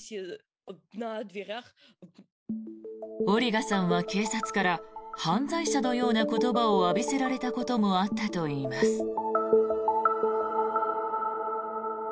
オリガさんは警察から犯罪者のような言葉を浴びせられたこともあったといいます。